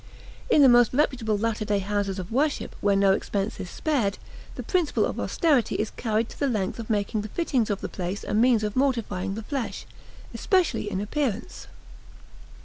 In the most reputable latter day houses of worship, where no expense is spared, the principle of austerity is carried to the length of making the fittings of the place a means of mortifying the flesh, especially in appearance.